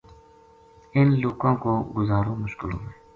اِن لوکاں کو گُزارو مشکل ہوئے